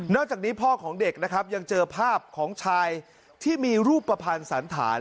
จากนี้พ่อของเด็กนะครับยังเจอภาพของชายที่มีรูปภัณฑ์สันฐาน